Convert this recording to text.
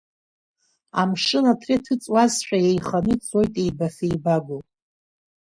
Амшын аҭра иҭыҵуазшәа еиханы ицоит еибафеибаго.